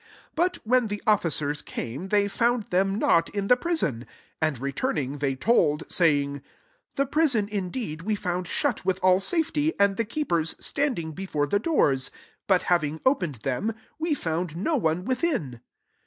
22 But when the officers came, they found them not in the prison : and re turning, they told, 23 saving, " The prison indeed we found shut with all safety, and the keep ers standing before the doors : but having opened them, we found no one within."